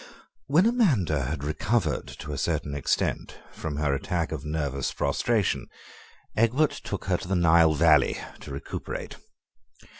When Amanda had recovered to a certain extent from her attack of nervous prostration Egbert took her to the Nile Valley to recuperate.